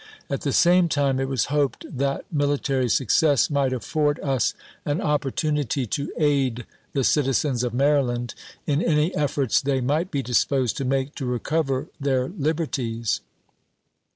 At the same time it was hoped that military success might afford us an opportii ANTIETAM 133 nity to aid the citizens of Maryland in any efforts they chap. vii. might be disposed to make to recover their liberties.